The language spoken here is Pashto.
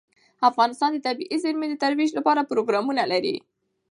افغانستان د طبیعي زیرمې د ترویج لپاره پروګرامونه لري.